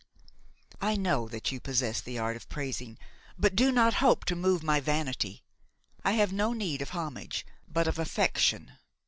"I know that you possess the art of praising; but do not hope to move my vanity. I have no need of homage, but of affection.